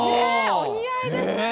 お似合いですね。